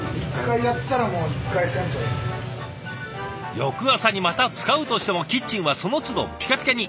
翌朝にまた使うとしてもキッチンはそのつどぴかぴかに。